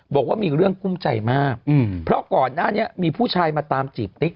บอกว่ามีเรื่องกุ้มใจมากเพราะก่อนหน้านี้มีผู้ชายมาตามจีบติ๊ก